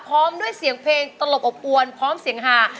พร้อมด้วยเสียงเพลงตลบอบอวนพร้อมเสียงฮา